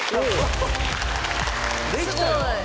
できたよ！